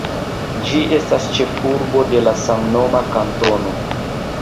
Ĝi estas ĉefurbo de la samnoma kantono.